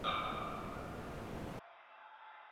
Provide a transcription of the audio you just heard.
آیا مطالعه د انسان د فکر لاره بدلوي؟